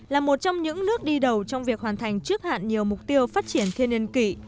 là một trong những nước đi đầu trong việc hoàn thành trước hạn nhiều mục tiêu phát triển thiên niên kỷ